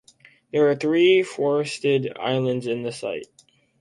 There are three forested islands in the site.